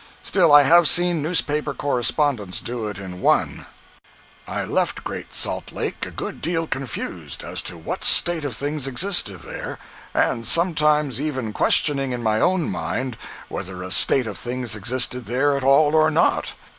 Still I have seen newspaper correspondents do it in one. 137.jpg (62K) I left Great Salt Lake a good deal confused as to what state of things existed there—and sometimes even questioning in my own mind whether a state of things existed there at all or not.